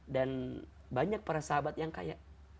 dan banyak para sahabat yang kaya